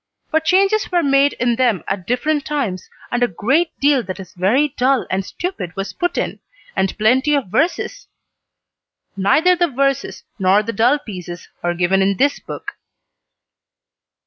But changes were made in them at different times, and a great deal that is very dull and stupid was put in, and plenty of verses. Neither the verses nor the dull pieces are given in this book.